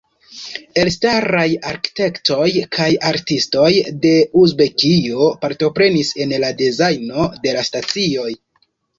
Elstaraj arkitektoj kaj artistoj de Uzbekio partoprenis en la dezajno de la stacioj.